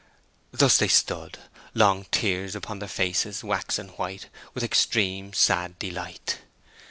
Thus they stood, "Long tears upon their faces, waxen white With extreme sad delight."